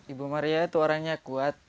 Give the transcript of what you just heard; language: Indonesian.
ibu maria itu orangnya kuat